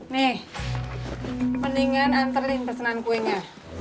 nih mendingan antar di persenaan kue nya